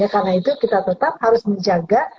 karena itu kita tetap harus menjaga